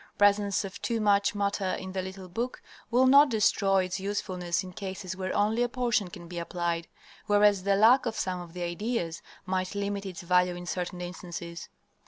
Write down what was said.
Presence of too much matter in the little book will not destroy its usefulness in cases where only a portion can be applied, whereas the lack of some of the ideas might limit its value in certain instances.